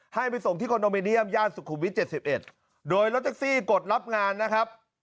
ให้ไปส่งที่คอนโดมิเนียมย่านสุขุมวิทย๗๑โดยรถแท็กซี่กดรับงานนะครับ